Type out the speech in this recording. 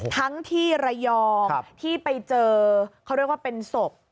ทั้งที่ระยองที่ไปเจอเขาเรียกว่าเป็นศพ